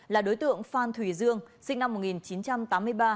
là đối tượng phan thùy dương sinh năm một nghìn chín trăm tám mươi ba